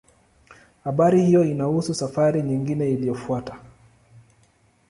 Habari hiyo inahusu safari nyingine iliyofuata.